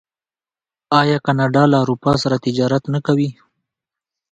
آیا کاناډا له اروپا سره تجارت نه کوي؟